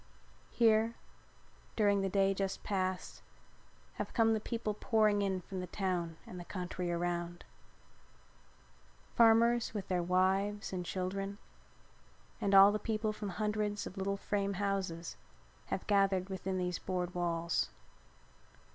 Here, during the day just passed, have come the people pouring in from the town and the country around. Farmers with their wives and children and all the people from the hundreds of little frame houses have gathered within these board walls.